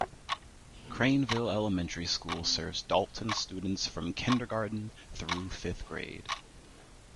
Craneville Elementary School serves Dalton students from kindergarten through fifth grade.